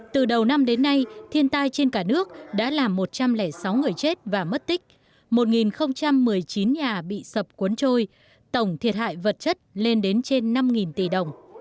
từ đầu năm đến nay thiên tai trên cả nước đã làm một trăm linh sáu người chết và mất tích một một mươi chín nhà bị sập cuốn trôi tổng thiệt hại vật chất lên đến trên năm tỷ đồng